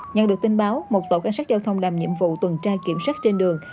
nhận được tin báo một tổ cảnh sát giao thông làm nhiệm vụ tuần tra kiểm soát trên đường